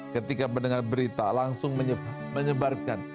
ketika mendengar berita langsung menyebarkan